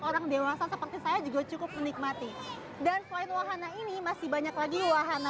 orang dewasa seperti saya juga cukup menikmati dan selain wahana ini masih banyak lagi wahana